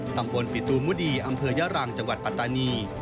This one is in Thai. ตำบลปิตุมุดีอำเภอยะรังจังหวัดปัตตานี